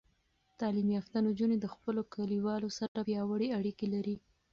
تعلیم یافته نجونې د خپلو کلیوالو سره پیاوړې اړیکې لري.